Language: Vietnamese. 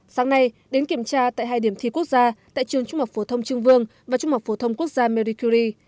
sáng nay đến kiểm tra tại hai điểm thi quốc gia tại trường trung học phổ thông trương vương và trung học phổ thông quốc gia mericury